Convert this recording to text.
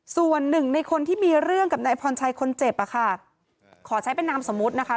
ส่วนหนึ่งในคนที่มีเรื่องกับนายพรชัยคนเจ็บอ่ะค่ะขอใช้เป็นนามสมมุตินะคะ